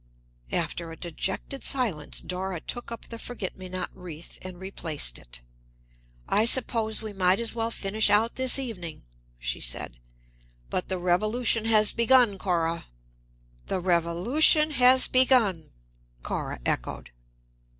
After a dejected silence Dora took up the forget me not wreath and replaced it. "I suppose we might as well finish out this evening," she said. "But the revolution has begun, Cora!" "The revolution has begun," Cora echoed.